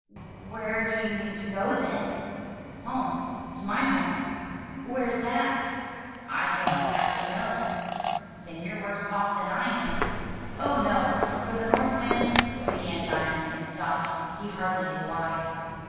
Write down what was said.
"Where do you mean to go, then?" "Home to my home." "Where's that?" "I don't exactly know." "Then you're worse off than I am." "Oh no, for North Wind —" began Diamond, and stopped, he hardly knew why.